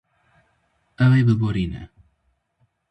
Ew ê biborîne.